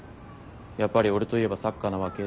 「やっぱり俺といえばサッカーなわけ？」